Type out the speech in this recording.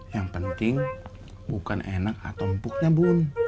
yang penting bukan enak atau empuknya pun